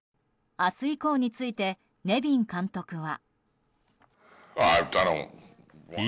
明日以降についてネビン監督は。